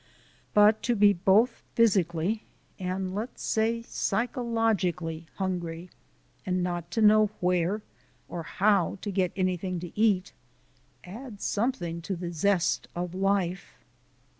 But to be both physically and, let us say, psychologically hungry, and not to know where or how to get anything to eat, adds something to the zest of life.